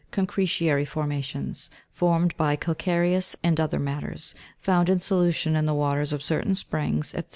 Concretionary formations, formed by calcareous and other matters, found in solution in the waters of certain springs, &c.